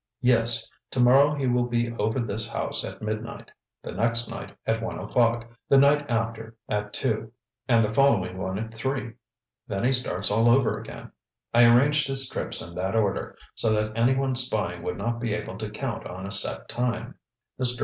"Yes. Tomorrow he will be over this house at midnight. The next night at one o'clock. The night after, at two, and the following one at three. Then he starts all over again. I arranged his trips in that order, so that anyone spying would not be able to count on a set time." Mr.